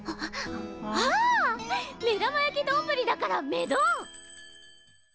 ああ目玉焼きどんぶりだから目丼！